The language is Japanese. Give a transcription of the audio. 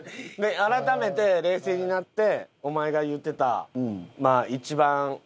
改めて冷静になってお前が言ってた。